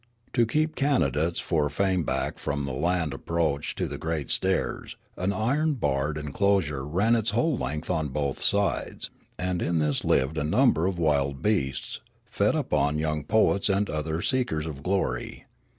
To keep candidates for fame back from the land approach to the great stairs, an iron barred en closure ran its whole length on both sides, and in this lived a number of wild beasts, fed upon young poets and other seekers of glory.